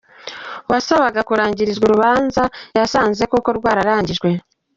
Uwasabaga kurangirizwa urubanza basanze koko rwararangijwe.